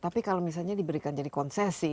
tapi kalau misalnya diberikan jadi konsesi